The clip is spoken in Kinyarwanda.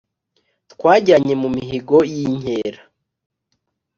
twajyanye mu mihigo yinkera